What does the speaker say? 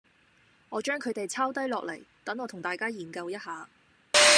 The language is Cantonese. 我將佢哋抄低落嚟，等我同大家研究一下